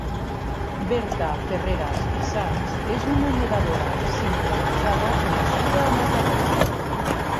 Berta Ferreras i Sanz és una nedadora sincronitzada nascuda a Mataró.